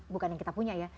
bukan yang kita punya ya